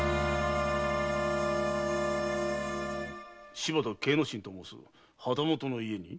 柴田計之進と申す旗本の家に？